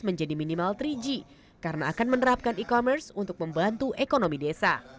menjadi minimal tiga g karena akan menerapkan e commerce untuk membantu ekonomi desa